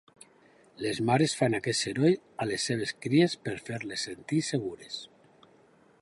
Les mares fan aquest soroll a les seves cries per fer-les sentir segures.